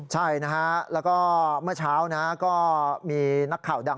ใช่นะฮะแล้วก็เมื่อเช้านะก็มีนักข่าวดัง